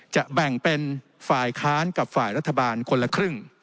แบ่งเป็นฝ่ายค้านกับฝ่ายรัฐบาลคนละครึ่ง